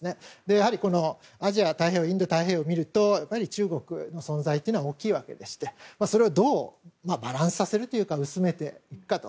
やはりアジアインド太平洋を見ると中国の存在というのは大きいわけでして、それをどうバランスをとるかというか薄めていくかと。